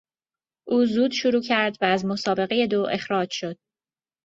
او زود شروع کرد و از مسابقهی دو اخراج شد.